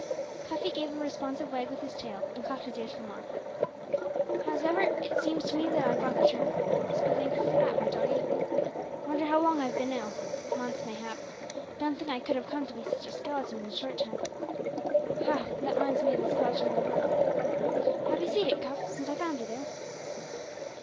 Cuffy gave a responsive wag with his tail, and cocked his ears for more. "Hows'ever, seems to me that I've got the turn; let's be thankful for that, my doggie. Wonder how long I've bin ill. Months mayhap. Don't think I could have come to be sitch a skeleton in a short time. Ha! that minds me o' the skeleton in the wood. Have 'ee seed it, Cuff, since I found 'ee there?